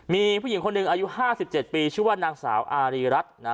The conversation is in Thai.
มีผู้หญิงคนหนึ่งอายุ๕๗ปีชื่อว่านางสาวอารีรัฐนะ